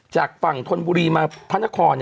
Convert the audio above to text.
จากฝั่งธนบุรีมาพระนคร